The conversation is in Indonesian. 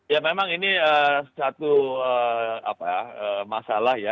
ya memang ini satu masalah ya